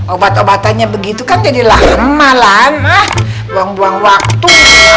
obat obatannya begitu kan jadi lama lama buang buang waktu